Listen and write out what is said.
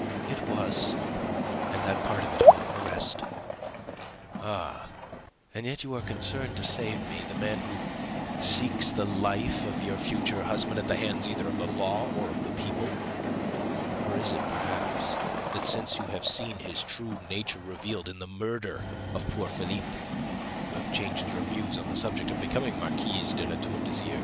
"It was, and that part of it among the rest." "Ah! And yet you are concerned to save me, the man who seeks the life of your future husband at the hands either of the law or of the people? Or is it, perhaps, that since you have seen his true nature revealed in the murder of poor Philippe, you have changed your views on the subject of becoming Marquise de La Tour d'Azyr?"